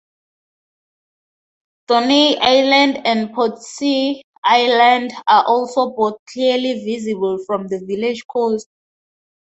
Thorney Island and Portsea Island are also both clearly visible from the village coast.